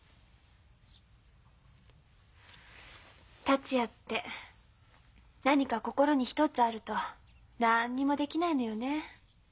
達也って何か心に一つあると何にもできないのよね。